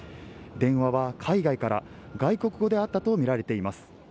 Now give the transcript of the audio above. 電話は海外から外国語であったとみられています。